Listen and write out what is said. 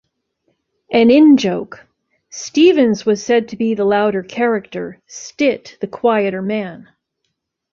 An in-joke: Stephen's was said to be the louder character, Stitt the quieter man.